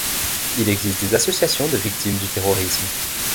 Il existe des associations de victimes du terrorisme.